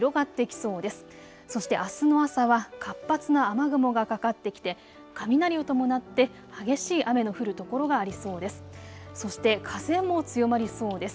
そして、あすの朝は活発な雨雲がかかってきて雷を伴って激しい雨の降る所がありそうです。